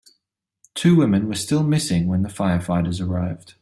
Two women were still missing when the firefighters arrived.